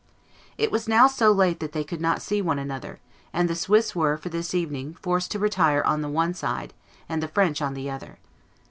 It was now so late that they could not see one another; and the Swiss were, for this evening, forced to retire on the one side, and the French on the other.